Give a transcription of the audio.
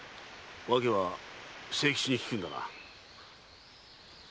訳は清吉に聞くんだな。